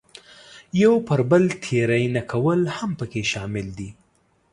یو پر بل تېری نه کول هم پکې شامل دي.